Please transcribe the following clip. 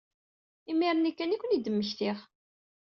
Imir-nni kan ay ken-id-mmektiɣ.